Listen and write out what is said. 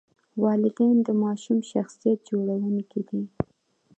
والدین د ماشوم شخصیت جوړونکي دي.